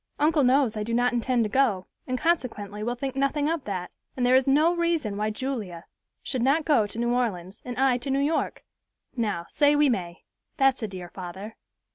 Uncle knows I do not intend to go, and consequently will think nothing of that; and there is no reason why Julia should not go to New Orleans, and I to New York. Now, say we may; that's a dear father."